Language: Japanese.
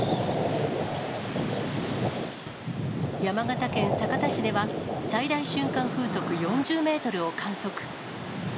山形県酒田市では、最大瞬間風速４０メートルを観測。